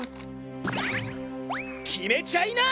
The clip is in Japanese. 決めちゃいな！